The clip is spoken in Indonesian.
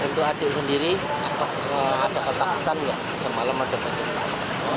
untuk adik sendiri ada ketakutan nggak semalam ada pencetan